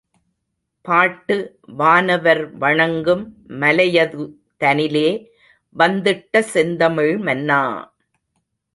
பாட்டு வானவர் வணங்கும் மலையதுதனிலே வந்திட்ட செந்தமிழ் மன்னா!